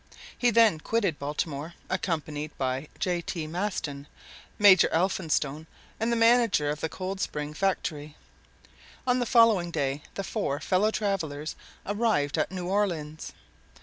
He then quitted Baltimore, accompanied by J. T. Maston, Major Elphinstone, and the manager of the Coldspring factory. On the following day, the four fellow travelers arrived at New Orleans.